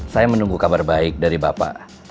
saya menunggu kabar baik dari bapak